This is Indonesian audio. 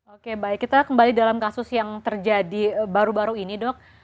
oke baik kita kembali dalam kasus yang terjadi baru baru ini dok